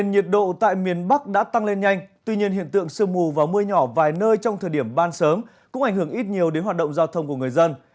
nhiệt độ tại miền bắc đã tăng lên nhanh tuy nhiên hiện tượng sương mù và mưa nhỏ vài nơi trong thời điểm ban sớm cũng ảnh hưởng ít nhiều đến hoạt động giao thông của người dân